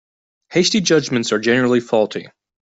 Hasty judgements are generally faulty.